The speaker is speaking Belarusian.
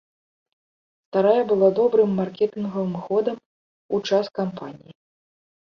Старая была добрым маркетынгавым ходам у час кампаніі.